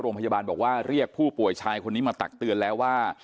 โรงพยาบาลบอกว่าเรียกผู้ป่วยชายคนนี้มาตักเตือนแล้วว่า